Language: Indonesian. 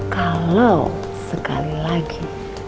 kalau sekali lagi